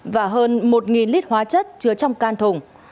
và hơn một lít hóa chất chứa trong can thùng